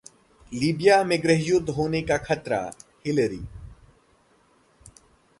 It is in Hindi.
लीबिया में गृहयुद्ध होने का खतरा: हिलेरी